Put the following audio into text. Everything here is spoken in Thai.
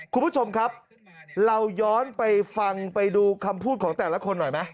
คุณผู้ชมครับเราย้อนไปฟังไปดูคำพูดของแต่ละคนหน่อยไหม